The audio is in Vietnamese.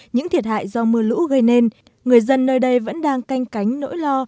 những thiệt hại do mưa lũ gây nên người dân nơi đây vẫn đang canh cánh nỗi lo